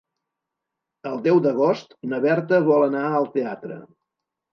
El deu d'agost na Berta vol anar al teatre.